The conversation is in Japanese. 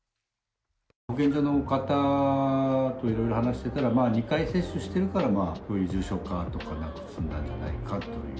保健所の方と色々話してたら、２回接種してるから、そういう重症化とかなく済んだんじゃないかという。